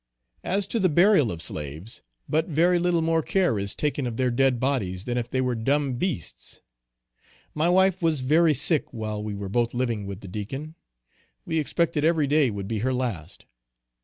As to the burial of slaves, but very little more care is taken of their dead bodies than if they were dumb beasts. My wife was very sick while we were both living with the Deacon. We expected every day would be her last.